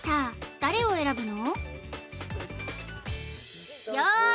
誰を選ぶの？